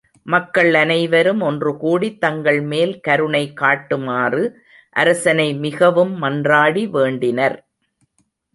மக்கள் அனைவரும் ஒன்றுகூடித் தங்கள் மேல் கருணை காட்டுமாறு அரசனை மிகவும் மன்றாடி வேண்டினர்.